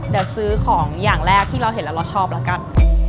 เดี๋ยวซื้อของอย่างแรกที่เราเห็นแล้วเราชอบแล้วกัน